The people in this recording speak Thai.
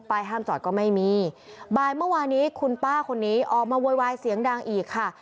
ห้ามจอดก็ไม่มีบ่ายเมื่อวานนี้คุณป้าคนนี้ออกมาโวยวายเสียงดังอีกค่ะ